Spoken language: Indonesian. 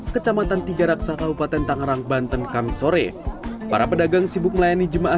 kecamatan tiga raksa kabupaten tangerang banten kami sore para pedagang sibuk melayani jemaah